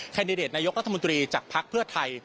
แดดิเดตนายกรัฐมนตรีจากภักดิ์เพื่อไทย